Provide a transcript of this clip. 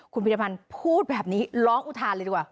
คุณพิรพันธ์พูดแบบนี้ร้องอุทานเลยดีกว่า